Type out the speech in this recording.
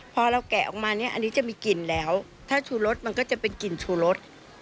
พอเราแกะออกมาเนี่ยอันนี้จะมีกลิ่นแล้วถ้าชูรสมันก็จะเป็นกลิ่นชูรส